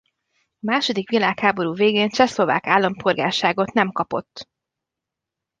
A második világháború végén csehszlovák állampolgárságot nem kapott.